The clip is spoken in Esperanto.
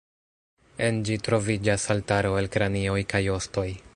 En ĝi troviĝas altaro el kranioj kaj ostoj.